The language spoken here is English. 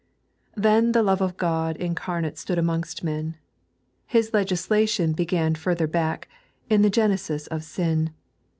Then the Love of Ciod incarnate stood amongst men. His legislation began further back, in the genesis of sin.